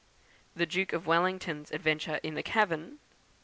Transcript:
The Duke of Wellington's Adventure in the Cavern; 2.